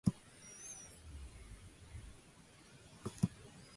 It is a federally designated National Heritage Area.